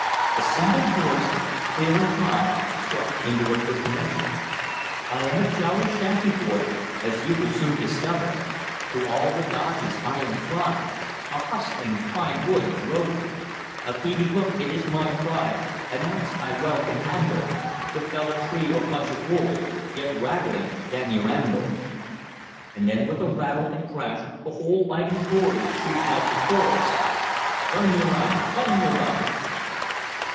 A single voice, clear and high, struck into a quick measure: "I am a jolly shanty boy, As you will soon discover; To all the dodges I am fly, A hustling pine woods rover. A peavey hook it is my pride, An ax I well can handle. To fell a tree or punch a bull, Get rattling Danny Randall." And then with a rattle and crash the whole Fighting Forty shrieked out the chorus: "Bung yer eye! bung yer eye!"